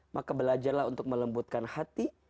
maka belajarlah untuk melembutkan hati